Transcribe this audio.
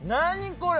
これ。